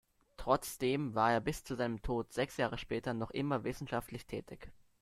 Trotzdem war er bis zu seinem Tod sechs Jahre später noch immer wissenschaftlich tätig.